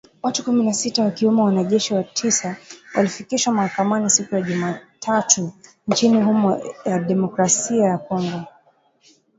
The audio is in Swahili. Watu kumi na sita wakiwemo wanajeshi tisa walifikishwa mahakamani siku ya Jumatatu nchini Jamhuri ya Kidemokrasi ya Kongo